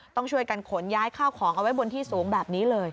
ต้องช่วยกันขนย้ายข้าวของเอาไว้บนที่สูงแบบนี้เลย